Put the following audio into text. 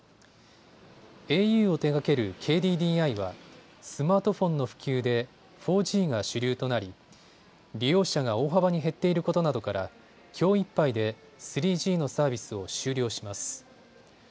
ａｕを手がけるＫＤＤＩはスマートフォンの普及で４Ｇが主流となり利用者が大幅に減っていることなどからきょういっぱいで３Ｇのサービスを終了します。